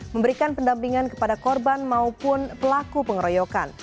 memberikan pendampingan kepada korban maupun pelaku pengeroyokan